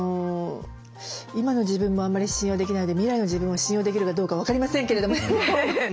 今の自分もあんまり信用できないので未来の自分を信用できるかどうか分かりませんけれどね。